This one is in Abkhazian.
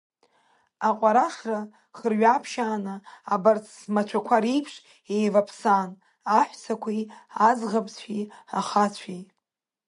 Аҟәарашра хырҩаԥшьааны, абарҭ смацәақәа реиԥш еиваԥсан аҳәсақәеи, аӡӷабцәеи, ахацәеи.